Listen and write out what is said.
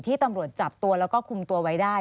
ตำรวจจับตัวแล้วก็คุมตัวไว้ได้